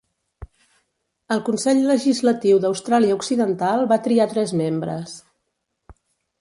El Consell Legislatiu d'Austràlia Occidental va triar tres membres.